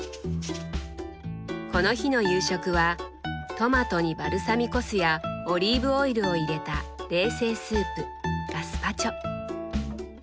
この日の夕食はトマトにバルサミコ酢やオリーブオイルを入れた冷製スープガスパチョ。